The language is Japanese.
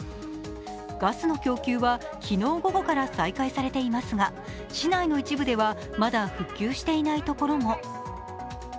ガスの供給は昨日午後から再開されていますが市内の一部ではまだ復旧していないところも。